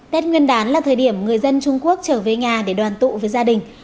tết nguyên đán là thời điểm người dân trung quốc trở về nhà để đoàn tụ với gia đình